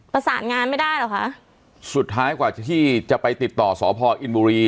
ประสานงานไม่ได้เหรอคะสุดท้ายกว่าที่จะไปติดต่อสพอินบุรี